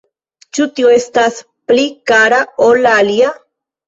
Ĉu tio estas pli kara ol la alia?